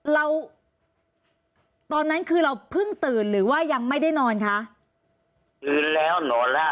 เราตอนนั้นคือเราเพิ่งตื่นหรือว่ายังไม่ได้นอนคะตื่นแล้วนอนแล้ว